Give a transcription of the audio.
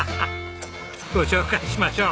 ご紹介しましょう。